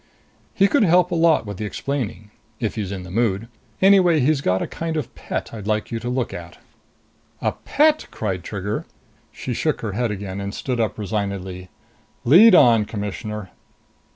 "He could help a lot with the explaining. If he's in the mood. Anyway he's got a kind of pet I'd like you to look at." "A pet!" cried Trigger. She shook her head again and stood up resignedly. "Lead on, Commissioner!"